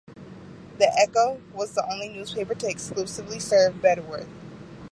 The "Echo" was the only newspaper to exclusively serve Bedworth.